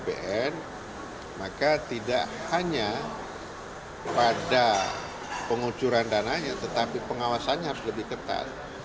bpn maka tidak hanya pada pengucuran dananya tetapi pengawasannya harus lebih ketat